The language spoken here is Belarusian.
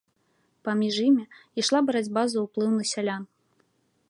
Паміж імі ішла барацьба за ўплыў на сялян.